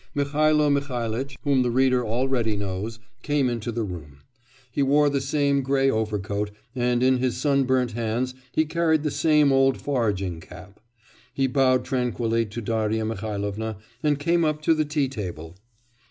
Mihailo Mihailitch, whom the reader already knows, came into the room. He wore the same grey overcoat, and in his sunburnt hands he carried the same old foraging cap. He bowed tranquilly to Darya Mihailovna, and came up to the tea table.